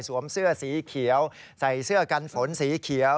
เสื้อสีเขียวใส่เสื้อกันฝนสีเขียว